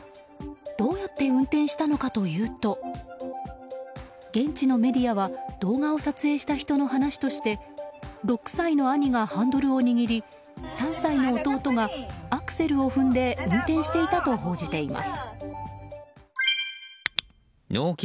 どうやって運転したのかというと現地のメディアは動画を撮影した人の話として６歳の兄がハンドルを握り３歳の弟がアクセルを踏んで運転していたと報じています。